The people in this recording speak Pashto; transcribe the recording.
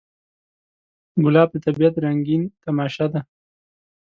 ګلاب د طبیعت رنګین تماشه ده.